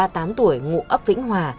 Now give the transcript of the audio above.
ba mươi tám tuổi ngụ ấp vĩnh hòa